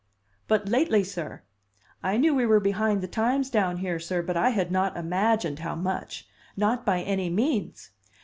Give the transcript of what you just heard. "But lately, sir? I knew we were behind the times down here, sir, but I had not imagined how much. Not by any means!